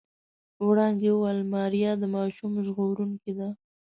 وړانګې وويل ماريا د ماشوم ژغورونکې ده.